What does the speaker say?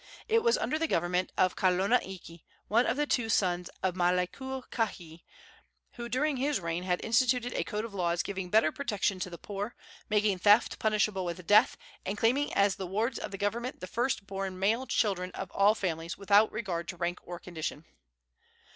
It was under the government of Kalona iki, one of the two sons of Mailikukahi, who during his reign had instituted a code of laws giving better protection to the poor, making theft punishable with death, and claiming as the wards of the government the first born male children of all families, without regard to rank or condition.